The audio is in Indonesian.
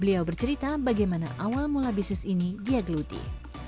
beliau bercerita bagaimana awal mula bisnis ini dia geluti